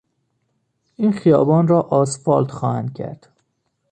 این خیابان را آسفالت خواهند کرد.